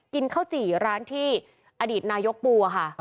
กินข้าวจี่ร้านที่อดีตนายกปูค่ะ